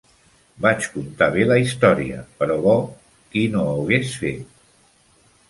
Vaig contar bé la història, però bo, qui no ho hagués fet.